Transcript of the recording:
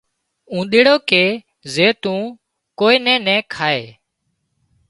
اونۮيڙو ڪي زي تون ڪوئي نين نين کائي